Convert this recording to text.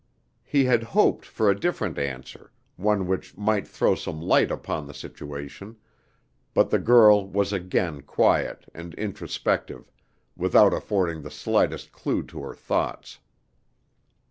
He had hoped for a different answer one which might throw some light upon the situation but the girl was again quiet and introspective, without affording the slightest clew to her thoughts.